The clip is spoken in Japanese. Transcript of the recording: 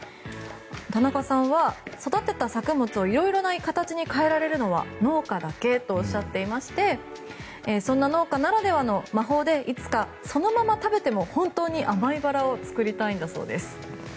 田中さんは育てた作物を色々な形に変えられるのは農家だけとおっしゃっていましてそんな農家ならではの魔法でいつかそのまま食べても甘いバラを作りたいんだそうです。